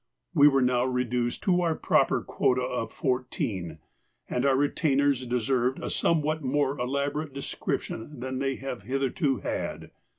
We were now reduced to our proper quota of fourteen, and our retainers deserve a somewhat more elaborate description than they have hitherto had.